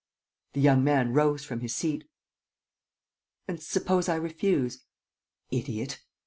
The young man rose from his seat: "And suppose I refuse?" "Idiot!"